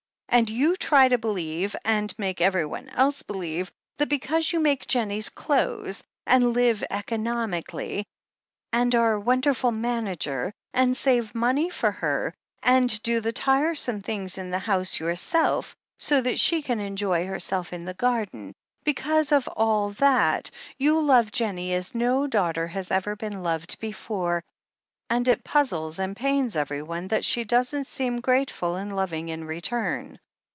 And you try to believe, and to make everyone else believe, that be cause you make Jennie's clothes, and liv^ economically and are a wonderful manager, and save money for her, and do the tiresome things in the house yourself, so that she can enjoy herself in the garden — ^because of all that, you love Jennie as no daughter has ever been loved before, and it puzzles and pains everyone that she doesn't seem grateful and loving in return.